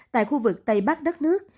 tại khu vực tây bắc đất nước